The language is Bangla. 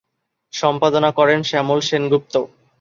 সম্পাদনা করেন শ্যামল সেনগুপ্ত।